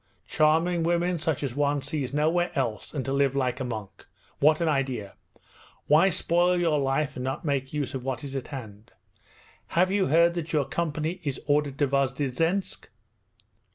Charming women such as one sees nowhere else, and to live like a monk! What an idea! Why spoil your life and not make use of what is at hand? Have you heard that our company is ordered to Vozdvizhensk?'